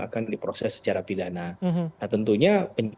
akan diproses secara pidana tentunya